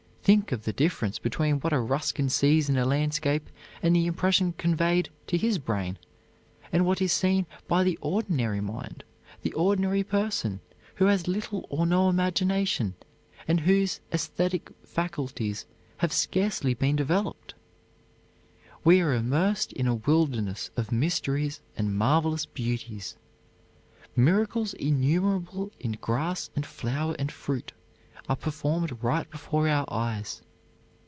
Think of the difference between what a Ruskin sees in a landscape and the impression conveyed to his brain, and what is seen by the ordinary mind, the ordinary person who has little or no imagination and whose esthetic faculties have scarcely been developed! We are immersed in a wilderness of mysteries and marvelous beauties. Miracles innumerable in grass and flower and fruit are performed right before our eyes.